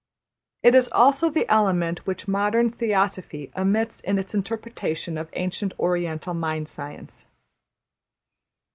It is also the element which modern Theosophy omits in its interpretation of ancient Oriental Mind Science.